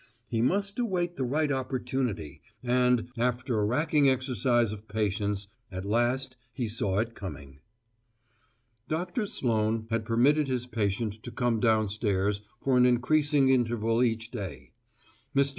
He must await the right opportunity, and, after a racking exercise of patience, at last he saw it coming. Doctor Sloane had permitted his patient to come down stairs for an increasing interval each day. Mr.